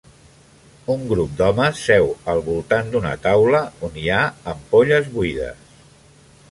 Un grup d'homes seu al voltant d'una taula on hi ha ampolles buides.